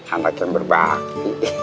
anak yang berbakti